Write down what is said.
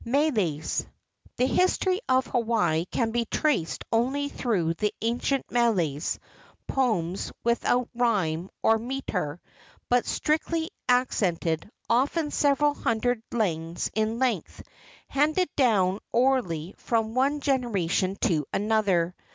MELES "The history of Hawaii can be traced only through the ancient meles, poems without rhyme or metre, but strictly accented, often several hundred lines in length, handed down orally from one generation to another.